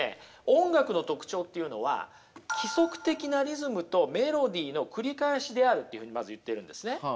音楽の特徴というのは規則的なリズムとメロディーの繰り返しであるというふうにまず言っているんですね。